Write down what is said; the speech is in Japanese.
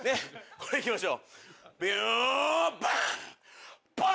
これ行きましょう。